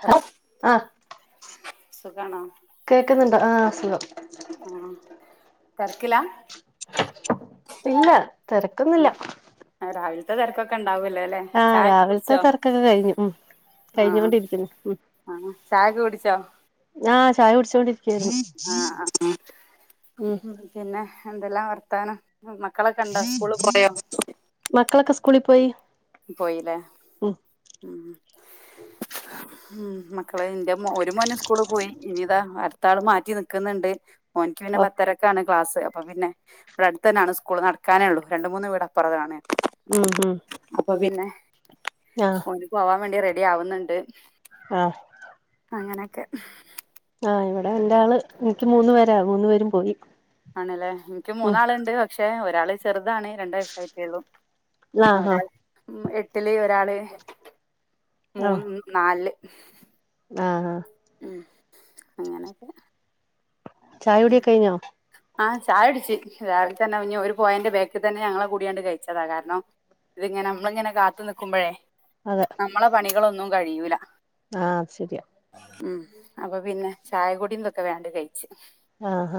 ഹ സുഖണോ? കേൾക്കുന്നുണ്ട് ആഹ് സുഖം ആ തർക്കില ഇല്ല തിരക്കുന്നില്ല ത്ത തിരക്കൊക്കെ ഉണ്ടാവൂലോല്ലെ ചായൊക്കെ രാവിലത്തെ കുടിച്ചോ തിരക്കൊക്കെ കഴിഞ്ഞു ഉം ആഹ കഴിഞ്ഞോണ്ടിരിക്കുന്നു ഉം ആഹ ചായ കുടിച്ചോ ആഹ് ചായ കുടിച്ചുകൊി ആഹ ആ ഉം പിന്നെ എന്തെല്ലാം വർത്തനം ഉം മക്കളൊക്കെണ്ടോ സ്കൂളി പോയൊ മക്കളൊക്കെ സ്കൂളിൽ പോയി പോയിലെ ഉം ഉം മ മക്കള ഇന്റെ ഒരു മോന സ്കൂള് പോയി ഇനിതാ അടുത്ത ആള് മാറ്റി നിക്കുന്നുണ്ട് മോൻക്ക് പിന്നെ ഓ പത്തരക്കാണ് ക്ലാസ് അപ്പൊ പിന്നെ ഇവിടെ അടുത്തന്നാണ് സ്കൂൾ നടക്കാനേ ഉള്ളൂ രണ്ട് മൂന്ന് വീട അപ്പുറത്താണ് ഉം ഉം പിന്നെ ആഹ് ഓനി പോവാൻ വേണ്ടി റെഡി ആവുന്നുണ്ട് അ അങ്ങനൊക്കെ ആ ഇവിടെ എൻ്റള് എനിക്ക് മൂന്ന് പേരാ മൂന്നു പേരും പോയി ആണ്ല്ലേ എനിക്കും ഉം മൂന്നാള്ണ്ട് പക്ഷെ ഒരാള് ചെറ്താണ് രണ്ട് വയസ്സായിട്ടേയുള്ളു ആഹ് ആഹ് ഒരാൾ എട്ടില് ഒരാള് മൂന്ന് നാൽല് [inaudible] ആഹ ആാ അങ്ങനൊക്കെ ചായ കുടി കയിഞ്ഞോ ആ ചായുടിച്ച് രാവിൽ തന്നെ ഞ്ഞി ഒരു പോയന്റെ ബേക്കിതന്നെ ഞങ്ങളെ കൂടിയണ്ട് കയിച്ചതാ കാരണം ഇതിങ്ങനെ നമ്മളിങ്ങനെ കാത്തു നിക്കുമ്പോഴേ നമ്മളെ പണികളൊന്നും കഴിയൂല ആ ശരിയാ ഉം അപ്പൊ പിന്നെ ചായ കുടിന്തൊക്കെ വേണ്ട് കയിഞ്ഞ് ആ ഹ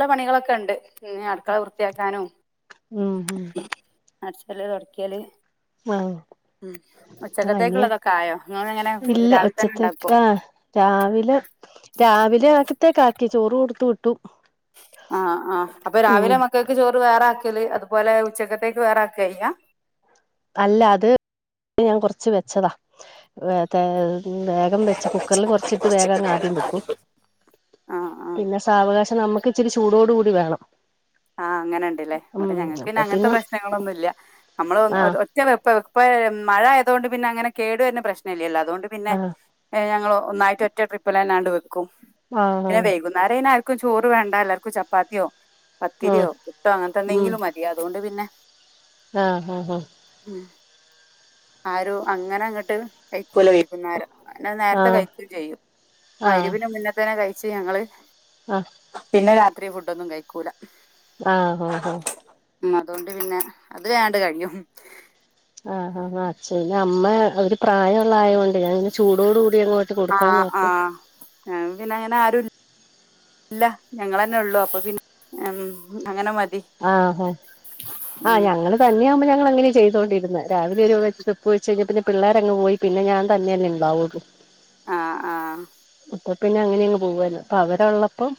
ന പണികളൊക്കെ ഉണ്ട് പിന്ന അ ആക്കളെ വൃത്തിയാക്കാനും ഉം ഹ്മ്മ് അച്ചല് തുടക്കിയല് ആ ഉ ഉച്ചക്കത്തേക്കുള്ളതൊ കായോ ഇല്ല ഉച്ചത്തേക്കാ രാവിലെ രാവിലെ ക്കത്തേക്ക ആക്കി ോടുത്തട്ട ആ ആ അപ്പൊ രാവിലെ ഉം മക്കക്ക് ചോറ് വേറെ ആകി ല് അതുപോലെ ഉച്ചക്കത്തേക്ക് വേറെക്ക കഴിഞ്ഞ അല്ല അത് ഞാൻ കുറച്ച് വെച്ചതാ വേദ വേഗം വെച്ച് കുക്കറിൽ കൊർച്ചിട്ട് വേഗം അങ്ങ് ആദ്യം വെക്കും ആഹ് ആഹ് പിന്നെ സാവകാശം നമ്മുക്ക് ഇച്ചിരി ചൂടോടു കൂടി വേണം ആഹ് അങ്ങനെ ഉണ്ടല്ലേ ഇവിടെ ഉം ഞങ്ങക്ക് പിന്നെ അപ്പൊ അങ്ങനത്തെ പ്രശ്നങ്ങളൊന്നുമല്ല നമ്മൾ ആ [unintelligible] മഴ ആയതുകൊണ്ട് പിന്നെ അങ്ങനെ കേടു വെരണ പ്രശ്നം ഇല്ലല്ലോ അതോണ്ട് പിന്നെ ആ ഞങ്ങ ഒന്നായിട്ട് ഒറ്റ ട്രിപ്പ്ല്ലാംല്ലാണ്ട് വെക്കും ആ പിന്നെ ആ വൈകുന്നേരം ആർക്കും ചോറ് വേണ്ടാല്ലാവർക്കും ചപ്പാത്തിയോ ആ പത്തിരിയോ പുട്ടോ അങ്ങനത്തെ എന്തെങ്കിലും മതിയോ അതുകൊണ്ട് പിന്നെ ആഹ് ഹഹ് ഹഹ ആരു അങ്ങനെങ്ങട്ട് കയ്ക്കൂല വൈകുന്നേരം എന്ന ആ നേരത്തെ കഴിക്കുകയും ചെയ്യും മരുവിന് മുന്നേ തന്നെ കഴച്ച് ഞങ്ങള് ആഹ ല്ല രാത്രി ഫുഡൊന്നും കഴിക്കൂല ആ ആ ആ ഉ അതുകൊണ്ട് പിന്നെ അതിലവേണ്ട് കഴിയും ആ ആ ആ അച്ഛ അമ്മ അവര് പ്രായമ ഉള്ള ആയൊണ്ട് ഞാാനിനെ ചൂടോട കൂടി അങ്ങോട്ട് കൊടുക്കാൻ ആഹ് നോക്കും ആഹ് ഞങ്ങക്ക് പിന്നെ അങ്ങനെ ആരും ഇല്ല ഞങ്ങളെന്നെ ഉള്ളു അപ്പൊ പിന്നെ അങ്ങനെ മതി ആഹാ ആഹ് ഉം ഞങ്ങള്ൾ തന്നെയ ആകുമ്പോ ഞങ്ങ എങ്ങനെയാണ് ചെയ്തോണ്ടിരുന്ന രാവിലെ ഒരെപ്പ് വെച്ച് കഴിഞ്ഞ പിന്നെ പിള്ളേരങ്ങ് പോയി പിന്നെ ഞാൻ തന്നെല്ലെണ്ടാവൂ ആ ആ അപ്പൊ പിന്നെ അങ്ങനെ അങ്ങ് പോവല്ല അപ്പൊ അവരള്ളപ്പം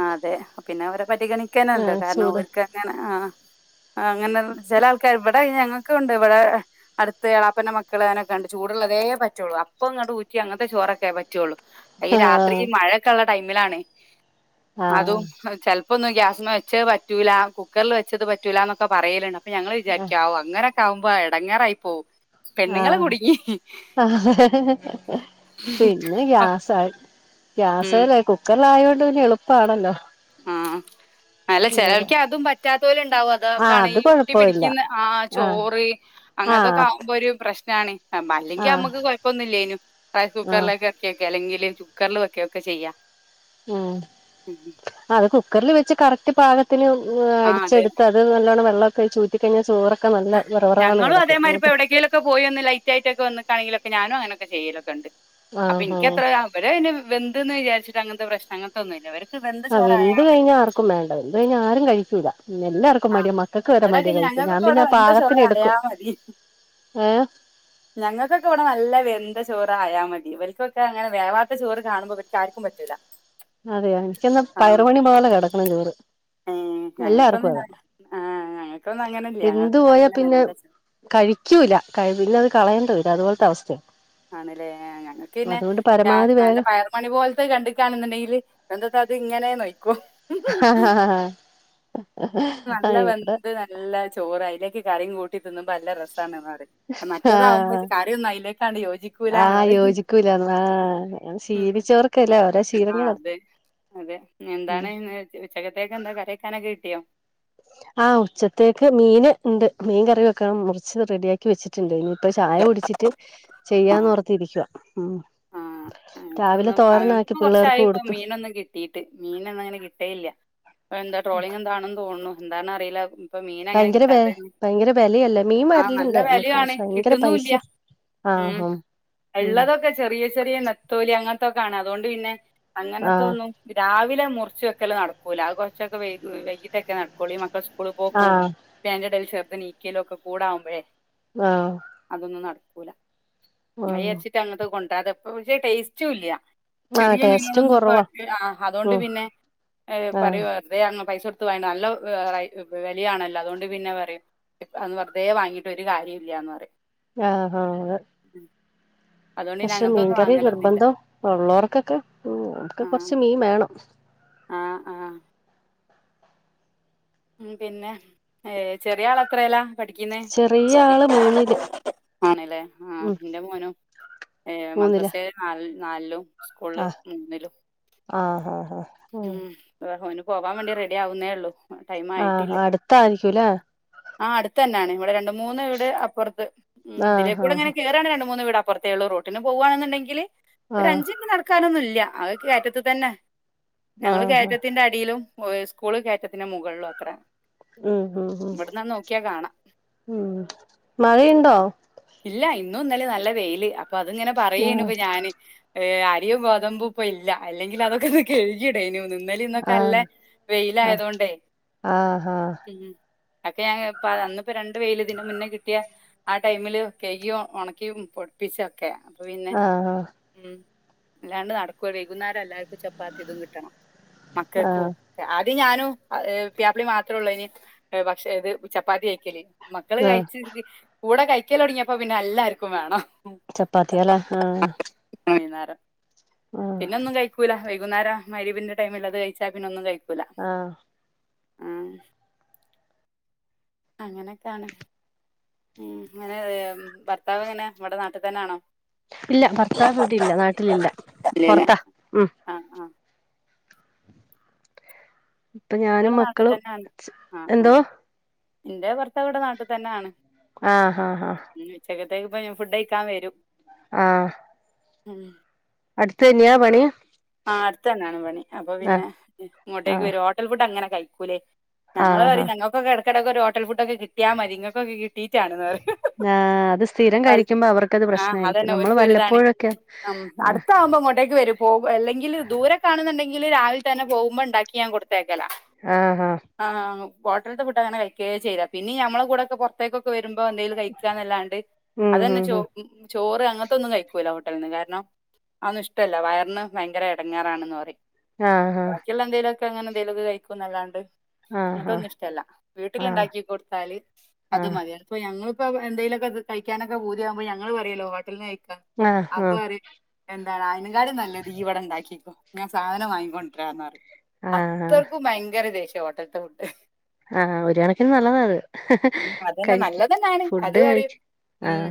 ആ അതെ പിന്നെ അവരെ പരിഗണിക്കാനല്ലോ ആഹ് കാരണം ചൂട് അവർക്ക്ങ്ങനെ ആ അങ്ങനെ ചില ആൾക്കാര് ഇവിടെ ഞങ്ങൾക്കുണ്ട് ഇവിടെ അടുത്ത് എളാപ്പന മക്കൾ അങ്ങനൊക്കെ ഉണ്ട് ചൂടുള്ളതേ പറ്റുള്ളൂ അപ്പൊ ഇങ്ങ അങ്ങത്തെ ചോറൊക്കെ പറ്റുള്ളൂ ഈ രാത്രി ആഹ് മഴൊക്കെള്ള ടൈമിലാണ് ആഹ് അതും ചെൽപ്പൊന്നു യ്യ വെച്ചത് പറ്റൂല കുക്കറിൽ വെച്ചത് പറ്റൂല ന്നൊക്കെ പറയല്ണ്ട് അപ്പൊ ഞങ്ങള് ആഹ് വിചാരിക് ആവു അങ്ങനൊ ആവുമ്പോൾ എടങ്ങാറായിപ്പോവും പെണ്ണുങ്ങള് ആഹ് കുടുങ്ങി [unintelligible] പിന്നെ അഹ് ഗ്യാസായി ഉം ഗ്യാസല്ലേ കുക്കറില ആയൊണ്ട് പിന്നെ എളുപ്പമാണല്ലോ ആഹ് അല്ല ചെലർക്ക് അതും പറ്റാത്തോല് ഇണ്ടാവും അത ആഹ് കാണ് അത് ഈ ഉട്ടി കൊഴപ്പവില്ല പിടിക്കുന്ന ആ ആഹ് ചോറ് അങ്ങനത്തൊക്കെ ആഹ് ആകുമ്പോ ഒരു പ്രശ്നാണ് അ അല്ലെങ്കിൽ ആഹ് നമുക്ക് കുഴപ്പമൊന്നില്ലേന റൈസ് ആഹ് കുക്കറിലേക്ക ഇറക്കി വെക്കേ അല്ലെങ്കിൽ കുക്കറിൽ വക്കൊക്കെ ചെയ്യ ഉം അത് കുക്കറിൽ വെച്ച് കറക്റ്റ് പാകത്തിന് ആഹ് അതെ. അടിച്ചെടുത്ത് അത് നല്ലോണം വെള്ളക്കൊഴിചൂറ്റി കഴിഞ്ഞാ ചോറൊ ഞങ്ങളും അതേമാരിപ്പൊ എവടേങ്കേലൊക്കെ പോയി ഒന്ന് ലൈറ്റ് ആയിട്ടൊക്കെ വന്നക്കാണെങ്കിലൊ ഞാനും അങ്ങനൊക്കെ ചെയ്യലൊക്കെണ്ട് അപ്പൊ ആഹ് ഇൻക്കത്ര അവരയ്ന് വെന്ത്ന്ന് വിചാരിച്ചിട്ട് അങ്ങ പ്രശ്നം അങ്ങനത്തൊന്നുല്ല ഇവർ ആ് വെന്ത് കഴിഞ്ഞാ ആർക്കും വേണ്ട വെന്ത് കഴിഞ്ഞാ ആരും കഴിക്കൂല എല്ലാർക്കും ആ മട്യ മക്കക്ക് വരെ ഇവിടൊക്കെ മട്യ കഴിക്കുന്നെ ഞാൻ ഞങ്ങൾക്കൊക്കെ ഇവിടെ പിന്നെ വെന്ത പാകത്തിന് ചോറായാ എടുക്കും മതി ഏഹ് ഞങ്ങൾക്കൊക്കെ വ്ടെ നല്ല വെന്താ ചോറായാൽ മതി ഇവർക്കൊക്കെ അങ്ങനെ വേവാത്ത ചോറ് കാണുമ്പോ ഇവർക്ക് ആർക്കും പറ്റൂല അതെയ എനിക്കന്നാ ആ പയറ് മണി പോലെ കെടക്കണം ചോറ് ഏ ഞങ്ങൾക്കൊന്ന എല്ലാർക്കും അതാ ആ ഞങ്ങൾക്കൊന്നും അങ്ങനല്ല വെന്ത് ഞങ്ങൾക്ക് പോയാ നല്ലണം പിന്നെ എന്താ കഴിക്കൂല കഴ പിന്ന അത് കളയൻ തില്ല അതുപോലത്തെ അവസ്ഥയോ ആണ്ല്ലേ ഞങ്ങക്ക് പിന്നെ പരമാവധി നല്ല വേഗം പയർ മണി പോൽത്തെ കണ്ടിക്കാണ്ന്ന്ണ്ടെങ്കില് എന്തട്ടാ അത് ഇങ്ങനെ നോയിക്കോ ആഹ് നല്ല ഇവിടെ വന്ത് നല്ല ചോറ അയിലേക്ക് കറിം കൂ ക്കി തിന്നുമ്പോ നല്ല രസാണ്ന്ന് പറയും മറ്റേതാവുമ്പോ ആഹ് കറ്യൊന്നും [unintelligible] ാണ്ട് യോജിക്കൂലന്ന് ആഹ് പറയും യോജിക്കൂലാന്ന് ആഹ് ശീലിച്ചവർക്കല്ലേ ഓരോ ആ ശീലങ്ങളാ അതെ അതെ ഉം എന്താണ് ഉച്ചകത്തേക്കെ എന്താ കരക്കാനൊക്കെ കിട്ടിയോ ആഹ് ഉച്ചത്തേക്ക് മീന് ഉണ്ട് മീൻ കറി വെക്കണം മുറിച്ചത് റെഡിയാക്കി വെച്ചിട്ടുണ്ട് ഇപ്പൊ ചായ കുടിച്ചിട്ട് ആഹ് ചെയ്യാന്ന്ോർത്തിരിക്കുവ ഉ ആഹ് ഞങ്ങക്കൊന്നും കൊറച്ചായി ഇപ്പ കൊടുത്തു മീനൊന്നും കിട്ടീട്ട് മീനൊന്നു അങ്ങനെ കിട്ടേല്ല എന്താ ട്രോളിങ് എന്താണെന്ന് തോന്നുന്നു എന്താന്ന അറിയില്ല ഇപ്പൊ മീൻ അങ്ങനെ ഭയങ്കര വെ കിട്ടാത്തന്ന് ഭയങ്കര വെലയല്ലേ മീൻ ആഹ നല്ല വരലുണ്ട് വാല്യു നമ്മക്ക് ആണ് പക്ഷെ ഭയങ്കര കിട്ടുന്നുല്ല പൈസയാ ഉം ഉം ഇള്ളതൊക്കെ ചെറിയ ചെറിയ നത്തോല്യാ അ അതുകൊണ്ട് പിന്നെ അങ്ങനത്ത ആഹ് ഒന്നും രാവി മുറിച്ചുവൊക്കെല്ല നടക്കൂല്ല അത് കുറച്ചൊക്കെ വൈകിട്ടൊക്കെ നടക്കൂുള്ള മക്കൾ സ്കൂളിൽ പോക്കും ആഹ് പിന്നെ അയൻ്റെടേല് ചെറ്ത് എനീക്കലൊക്കെകൂടിയാകുമ്പളേ ആ മൈ അരച്ചിട്ട് അങ്ങത്തെ കൊണ്ടണ്ട് അതപ്പ പക്ഷേ ടേസ്റ്റും ഇല്ല ആഹ് ചെറിയ ടേസ്റ്റും മീനുകളൊന്നും പ്പൊ കൊറവാ ആ അതോണ്ട് ഉം പിന്നെ പറയൂ ആഹ് വെറത അങ്ങ് പൈസ നല്ല വലിയാണല്ലോ അതുകൊണ്ട് പിന്നെ പറയും അന്ന് വെറുതെ വാങ്ങിയിട്ട് ഒരു കാര്യം ഇല്ലയന്ന് പറയാ ആഹ ആഹ അതുകൊണ്ട് പിന്നെ പക്ഷെ അങ്ങനത്തെ ഒന്നും മീൻകറി വാങ്ങലൊന്നുല്ല നിർബന്ധം ഉള്ളവർക്കൊക്കെ അവർക്കൊക്കെ കൊറച്ച് മീൻ വേണം ആഹ ആഹ ഉ പിന്നെ ഏ ചെറിയ ആൾ അത്രല്ലാ പഠിക്കുന്നേ ചെറിയ ആള് മൂന്നില് ആണല്ലേ ആ ഉം എന്റെ മോനും ഏ മൂന്നില് മദ്രസേല് നാ നാലിലും സ്കൂൾല് ആഹ് മൂന്നിലും ആഹ് ആഹ് ആഹ് ഉംഓന് പോവാൻ വേണ്ടി റെഡി ആവുന്നേ ഒള്ളു ആഹ് അടുത്തായിരിക്കൂല്ലേ ആ അടുത്തന്നാണ് ഇവിടെ രണ്ട് മൂന്ന് വീട് അപ്പുറത്ത് ഉം ആഹ് ഇതിലേക്കൂടെ ഇങ്ങനെ ആഹ് കേറ്കാണെ രണ്ട് മൂന്ന് വീട് അപ്പുറത്തേ ഉള്ള റോട്ടിന് പോകവാണെന്നുണ്ടെങ്കില് ഒരു ആഹ് അഞ്ച് മിനിറ്റ് നടക്കാനൊന്നും ഇല്ല. അത് കയറ്റത്ത് തന്നെ ആഹ് ഞങ്ങള് ആഹ് കയറ്റത്തിന്റെ അടിയിലും. സ്കൂള്ൾ കായറ്റത്തിന് മുകളള്ളോ അത്ര ഉം ഉ ഉ ഇവിടന്നാ നോക്കിയാ കാണാ ഉം മഴയുണ്ടോ ഇല്ല ഇന്നും ഇന്നലെ നല്ല വെയില് അപ്പ അത് ഇങ്ങനെ പറയേനു ആഹ് ഇപ്പൊ ഞാന് ഏ അരിയും ഗോതമ്പൂ ഇപ്പൊ ഇല്ല അല്ലെങ്കിൽ അതൊക്കെ ഒന്ന് കഴുകിടേന ഒന്ന് ഇന്നല ഇന്നൊക്കെ അല്ല ആഹ് വെയിലയതൊണ്ടേ ആഹ് ആഹ് ഉം അക്കെ ഞാൻ ഇപ്പ അന്നപ്പോ രണ്ട് വെയില് ഇതിന് മുന്നേ കിട്ടിയ ആ ടൈമില് കേക്കും ഉണക്കും പൊടിപ്പിച്ചൊക്കെ അപ്പൊ പിന്നെ ആഹ് ആഹ് ഉം അല്ലാണ്ട് നടക്കുവ വൈകുന്നേരം എല്ലാവർക്കും ചപ്പാത്തി ഇതും കിട്ടണം ആഹ് മക്കൾക്കും അത് ഞാനും പ്യാപ്പിളി മാത്രേ ഉള്ളൂ ഇ പക്ഷേ ഏത് ചപ്പാത്തി കയക്കലേ മക്കള് ആഹ് കഴിച്ചസ്ഥിക്ക് കൂടെ കഴിക്കല് തുടങ്ങിയപ്പോ പിന്നെ എല്ലാർക്കും വേണം ചപ്പാത്തി എല്ല ആ പിന്ന ഒന്നും കഴിക്കൂല വൈകുന്നേരം മരവിന്റെ ടൈമിലത് കഴിച്ചാൽ പിന്നെ ഒന്നും കഴിക്കൂ ആ ആ അങ്ങനെക്കാണ് ഉം ങ്ങനെ ഭർത്താവ് ങ്ങനെ നമ്മടെ നാട്ടി തന്നാണോ? ഇല്ല ഭർത്താവ് ഇവിട ഇല്ല നാട്ടിലില്ല ഇല്ലല്ലേ പൊർത്ത ഉം ആ ആ അപ്പ ഞാനും ഇവിടെ നാട്ടിൽ മക്കളും എന്തോ ഇന്റെ ഭർത്താവ്ടെ നാട്ട് തന്നെ ആണ് ആഹ് ആഹ് ആഹ് [inaudible] ഫുഡ് കഴക്കാൻ വരും ആ ഉം അടുത്തെന്യ പണി. ആ അടുത്തന്നാണ് പണി അപ്പൊ പിന്നെ ആഹ് ഇങ്ങോട്ടേക്ക് ആഹ് വേരോ ഹോട്ടൽ ഫുഡ് അങ്ങനെ കഴിക്കൂലേ ഞങ്ങള് ആഹ് പറിം ആഹ് ഞങ്ങക്കെക്കെ എ ടക്കടക്കക്ക് ഒരു ഹോട്ടൽ ഫുഡക്കെ കിട്ടിയാമതി ഇങ്ങൾക്കൊക്കെ കിട്ടീട്ടാ ണ്ന്ന്പറിം ആഹ് അത് സ്ഥിരം കഴിക്കുമ്പോ അവർക്കത് ആ പ്രശ്നാരിക്കും അതന്നെ നമ്മള് ഒരിക്കലും വല്ലപ്പോഴൊക്കെ ആഹ് ഇക്ക് വര പോകും അല്ലെങ്കിൽ ദൂരെ കാണുന്നുണ്ടെങ്കിൽ രാവിലെ തന്നെ പോകുമ്പോ ഉണ്ടാക്കി ഞൻ കൊടു േകല ആഹ് ആഹ് ആഹ ഫോട്ടട്ത്ത് വ്ടാനയക്കേ ചെയ്യ്ല പിന്നിം നമ്മളെ കൂടൊക്കെ പൊർത്തേക്കൊക്കെ വരും പ്പോ എന്തേലും കഴിക്കാന്നല്ലാണ്ട് ഉം അതന്നെ ഉം ഉം ചോ ചോറ് അങ്ങത്തൊന്നും കഴിക്കൂല്ല ഹോട്ടൽന്ന് കാരണം അന്നുഇഷ്ടല്ല വയറിന് വയങ്കര എടങ്ങാറാണെന്ന് പറിം ആ ഹാ അങ്ങനെന്തെലുക് കഴിക്കുംന്നല്ലാണ്ട് ആഹ് അതൊന്നും ഇഷ്ടമല്ല വീട്ടിൽ ആഹ് ഉണ്ടാക്കി കൊടുത്താല് അത് ആഹ് മതിയ അപ്പ ഞങ്ങ [unintelligible] എന്തെിലൊക്കെ കഴിക്കാനൊക്കെ ബൂദി ആമ്പോ ഞങ്ങള്ൾ പറയല്ലോ ഹോട്ടലിന്ന് കഴിക്ക ആഹ് ആഹ് അപ്പ ആഹ് റയും വോ ആതിനെകാലും നല്ലത് ഈ ഇവിടെ ഉണ്ടാക്കിക്കോ ഞാൻ സാധനം വാങ്ങിക്കൊണ്ടിരാന്ന് പറിയ. ആഹ് ആഹ് അത്രർക്കും ഭയങ്കര ദേഷ്യ ഓട്ടത്തെ ഉണ്ട് ആഹ് ഒരു കണക്കിന് നല്ലതാ അത്. ഉ അതന്നെ നല്ലതെന്നാണ് അത് പറൂ ഉം ആഹ്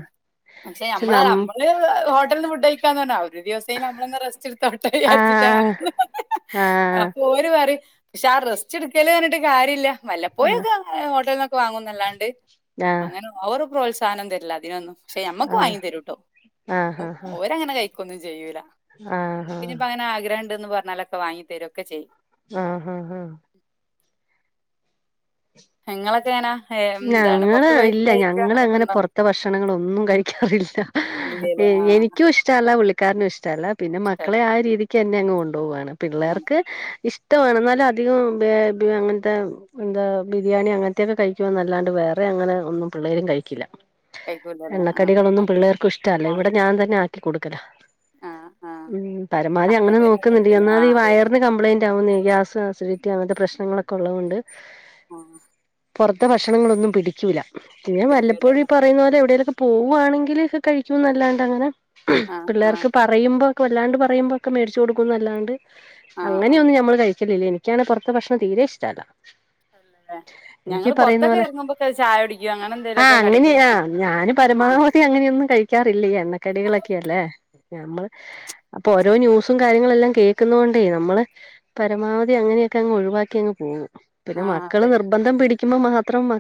പക്ഷെ നമ്മള നമ്മള് ഹോട്ടല നിന്ന് ഫുഡ് കഴിക്കാന്ന പറന്നാവ ഒരു ദിവസ നമ്മള ഒന്ന് റെസ്റ്റ് എടുത്തോട്ടെ വിചാരിച്ചിട്ടാ ആഹ് ആഹ് അപ്പൊ ഒരു പററി പക്ഷെ ആ റസ്റ്റ് എടുക്കല്റട്ട് കാര്യല്ല ആഹ് വല്ലപ്പോയക്കെ ഹോട്ടലന്നൊക്കെ വാങ്ങുന്നല്ലാണ്ട് ആഹ് അങ്ങനെ ഓവറ് പ്രോത്സാഹനം തരില്ല അതിനൊന്നും പക്ഷെ മ്മക്ക് വാങ്ങി തരൂ ട്ടോ ഒരങ്ങനെ കഴിക്കൊന്നും ചെയ്യൂല ആ ആ ഇന്ന് പറഞ്ഞാലൊക്കൊങ്ങി തരുംൊക്കെ ചെയ്യും ആഹ് ആഹ് ആഹ് നിങ്ങളൊക്കെ എങ്ങനാ എന്താണ് ഞങ്ങള് പുറത്തു പോയി ഇല്ല ഫുഡ് കഴിക്കുക ഞങ്ങള് അങ്ങനൊക്കെ അങ്ങനെ ഉണ്ടോ? പുറത്തെ ഭക്ഷണങ്ങളൊന്നും കഴിക്കാറില്ല ഇല്ലല്ലേ ആഹ് എനിക്കും ഇഷ്ടല്ല വിളി ക്കാരനും ഇഷ്ടല്ല പിന്നെ മക്കളെ ഇഷ്ടല്ല ആ രീതിക്ക് തന്നെ അങ്ങ് കൊണ്ടുപോകുവാണ് ആണ് പിള്ളേർക്ക് ഇഷ് ഇഷമാണെന്നാലും അധികം അങ്ങനത്തെ എന്താ ബിരിയാണി അങ്ങനത്തെ മറ്റയൊക്കെ കഴിക്കുവന്നല്ലാണ്ട് വേറെ അങ്ങനെ ഒന്നും പിള്ളേരും കഴിക്കില്ല കഴിക്കൂലല്ലേ ആഹ് എണ്ണക്കടികളൊന്നും അത് പിള്ളേർക്കും ഇഷ്ടമല്ല ഇവിടെ ഞാൻ തന്നെ ആക്കി കൊടുക്കല ആ ഉം പരമാവധി അങ്ങനെ നോക്കുന്നുണ്ട് എന്നാല് ആഹ് ഈ അതെ വയറിന് കംപ്ലയിന്റാവുന്നേ ഗ്യാസ് സ്രി ഇക്ക് അങ്ങത്തെ പ്രശ്നങ്ങളൊക്കെ ഉള്ളതൊണ്ട് ആഹ് പുറത്തെ ഭക്ഷണങ്ങളൊന്നും പിടിക്കില്ല പിന്നെ വല്ലപ്പോഴീ പിടിക്കൂലല്ലേ പറയുന്ന പോലെ എവിടെലോക് പോവാണെങ്കില് കഴിക്കുംന്നല്ലണ്ട് അങ്ങനെ ആഹ് ആഹ് പിള്ളേർക്ക് പറയുമ്പോ വല്ലാണ്ട് പറയുമ്പോൊക്കെ മേടിച്ചു കൊടുക്കുന്നു അല്ലാണ്ട് ആഹ് ആഹ് അങ്ങനെയൊന്ന് നമ്മൾ കഴിക്ക ച്ചലില്ലാ എനിക്കാണെ പൊർത്തെ ഭക്ഷണം തീരെ ഇഷ്ടല്ലാ അല്ലല്ലേ ക്ക് ഞങ്ങള് പറയുന്ന പുറത്തൊക്കെ പോലെ ഇറങ്ങുമ്പോക്കെ ചായ കുടിക്കും അങ്ങനെ ആ എന്തേലുമൊക്കെ അങ്ങനെ കടികൾ ആ ഞാനും ആഹ് പരമാവധി അങ്ങനെയൊന്നും കഴി കിക്കാറില്ല എണ്ണക്കടികളൊക്കെ അല്ലേ നമ്മള് അപ്പൊ ഓരോ ന്യൂസും കാര്യങ്ങളെല്ലാം കേൾക്കുന്ന കൊണ്ടേ നമ്മള് പരമാവധി അങ്ങനെ ഇതിനെക്കങ്ങ് ഒഴിവാക്കി അങ്ങ് പോകും പിന്നെ ആഹ് മക്കള് അതെ നിർബന്ധം പിടിക്കുമ്പോ മാത്രം മ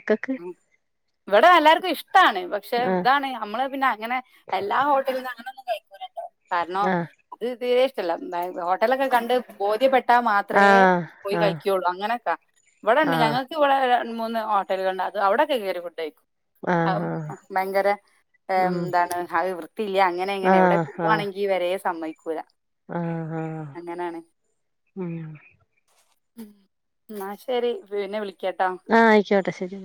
ഇവിടെ എല്ലാർക്കും ഇഷ്ടാണ് പക്ഷെ ആ ഇതാണ് നമ്മള പിന്നെ അങ്ങനെ എല്ലാ ഹോട്ടൽന്ന് അങ്ങനെ ഒന്നും കഴിക്കൂലാട്ടോ കാരാണോ ആ അത് ദേ ക്കില്ല ബായ് ഹോട്ടലൊക്കെ കണ്ട് ബോധ്യപ്പെട്ടാ മാത്രേ ആ പോയി ആ കഴിക്കുള്ളു അങ്ങനൊക്കെ ഇവിടെണ്ട് ആഹ് ഞങ്ങക്കിവിടെ രണ്ട് മൂന്ന് ഹോട്ടലുകള്ണ്ട് അത് അവിടൊക്കെ കേറി ഫുഡയ്ക്കും ഔ ആഹ് ബയങ്കരെ ഉം എന്താണ് അത് വൃത്തിയില്ല അങ്ങനെ ഇങ്ങനെ എവടെ പോവാണെങ്കി വരെ സമ്മയ്ക്കും ആ ആ ഉം ഉ ഇന്നാ ശെരി പിന്നെ വിളി ആ അയിക്കോട്ടെ ശെരി